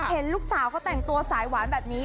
เห็นลูกสาวเขาแต่งตัวสายหวานแบบนี้